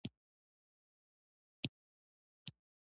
د طالب نوم د جګړې تبه ګرمه ساتلی شي.